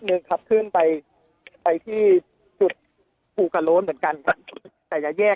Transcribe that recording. หนึ่งครับขึ้นไปไปที่จุดภูกระโล้นเหมือนกันครับแต่จะแยก